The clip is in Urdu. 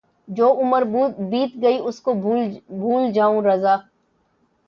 جو عُمر بیت گئی اُس کو بھُول جاؤں رضاؔ